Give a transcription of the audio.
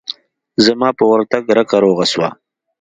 زما په ورتگ رکه روغه سوه.